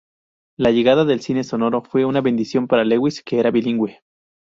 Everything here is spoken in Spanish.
La llegada del cine sonoro fue una bendición para Lewis, que era bilingüe.